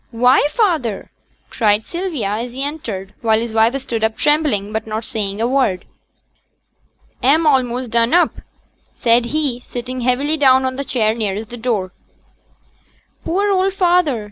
'Why, feyther!' cried Sylvia as he entered; while his wife stood up trembling, but not saying a word. 'A'm a'most done up,' said he, sitting heavily down on the chair nearest the door. 'Poor old feyther!'